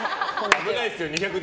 危ないですよ、２００。